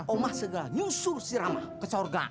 oma segera nyusur si rama ke sorga